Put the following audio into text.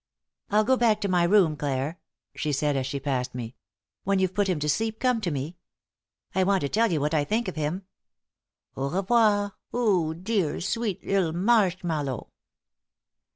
"I'll go back to my room, Clare," she said, as she passed me. "When you've put him to sleep, come to me. I want to tell you what I think of him. Au revoir, 'oo dear, sweet 'ittle marshmallow!"